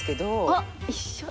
あっ一緒。